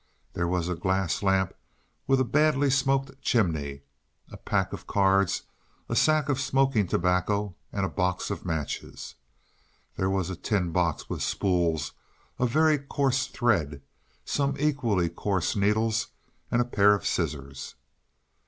There was a glass lamp with a badly smoked chimney, a pack of cards, a sack of smoking tobacco and a box of matches. There was a tin box with spools of very coarse thread, some equally coarse needles and a pair of scissors.